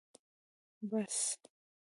🚍 بس